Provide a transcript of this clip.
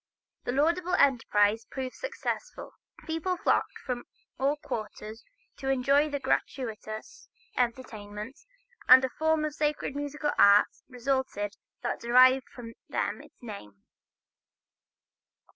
The laudable enterprise proved successful. People flocked from all quarters to enjoy the gratuitous entertainments, and a form of sacred musical art resulted that derived from them its name.